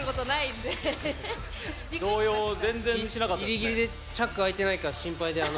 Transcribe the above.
ギリギリでチャック開いてないか心配で。